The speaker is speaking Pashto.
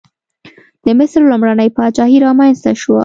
د مصر لومړنۍ پاچاهي رامنځته شوه.